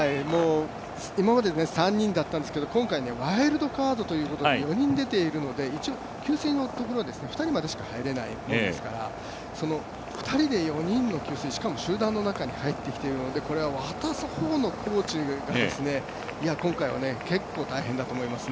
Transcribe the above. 今まで３人だったんですけど今回ワイルドカードということで４人出ているので給水のところ２人までしか入れないですから２人で４人の給水、しかも集団の中に入ってきていますのでこれは渡す方のコーチが今回は結構、大変だと思います。